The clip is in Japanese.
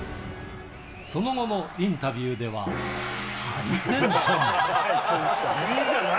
その後のインタビューでは、ハイテンション。